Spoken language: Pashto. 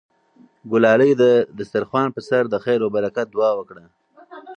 ګلالۍ د دسترخوان په سر د خیر او برکت دعا وکړه.